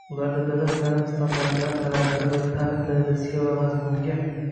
ularda davlat ta’lim standartlari talablari va ta’lim darajasiga va mazmuniga